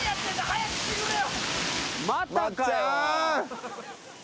早くしてくれよ！